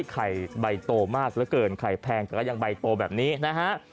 ไข่ใบโตมากเหลือเกินไข่แพงแต่ก็ยังใบโตแบบนี้นะฮะ